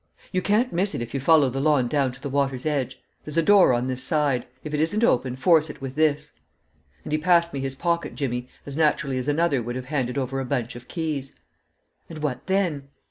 "You can't miss it if you follow the lawn down to the water's edge. There's a door on this side; if it isn't open, force it with this." And he passed me his pocket jimmy as naturally as another would have handed over a bunch of keys. "And what then?"